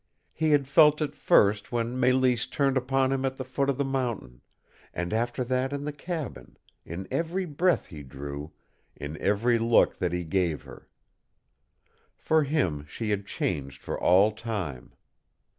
He had felt it first when Mélisse turned upon him at the foot of the mountain; and after that in the cabin, in every breath he drew, in every look that he gave her. For him she had changed for all time.